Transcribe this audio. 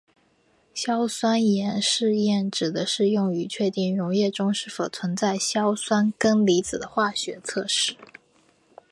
硝酸盐试验指的是用于确定溶液中是否存在硝酸根离子的化学测试。